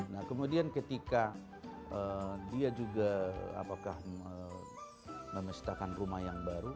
nah kemudian ketika dia juga apakah memestakan rumah yang baru